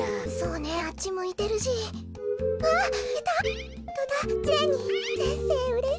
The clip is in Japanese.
そうねあっちむいてるし。